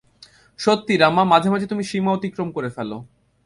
সত্যি, রামা, মাঝে মাঝে তুমি সীমা অতিক্রম করে ফেলো।